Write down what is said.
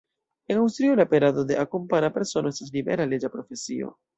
En Aŭstrio, la perado de akompana persono estas libera, leĝa profesio.